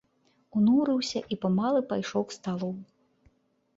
Унурыўся і памалу пайшоў к сталу.